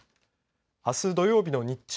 あす土曜日の日中